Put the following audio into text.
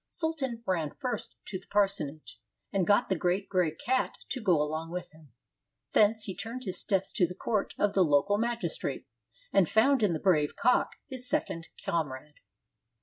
Sultan ran first to the parsonage, and got the great gray cat to go along with him. Thence he turned his steps to the court of the local magistrate, and found in the brave cock his second comrade.